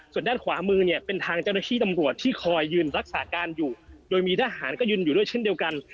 ส่วนด้านขวามือเนี่ยเป็นทางเจ้าหน้าที่ตำรวจที่คอยยืนรักษาการอยู่โดยมีทหารก็ยืนอยู่ด้วยเช่นเดียวกัน